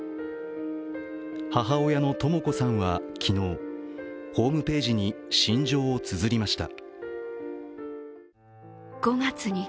母親のとも子さんは昨日、ホームページに心情をつづりました。